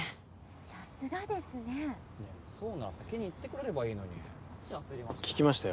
さすがですねでもそうなら先に言ってくれればいいのにマジ焦りましたよ